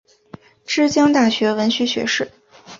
之江大学文学学士。